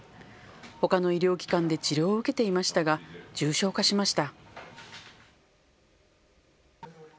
ほかの医療機関で治療を受けていましたが重症化しました。